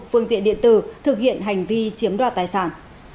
phương tiện điện tử thực hiện hành vi chiếm đoạt tài sản